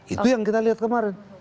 itu yang kita lihat kemarin